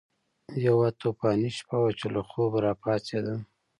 یوه طوفاني شپه وه چې له خوبه راپاڅېدم.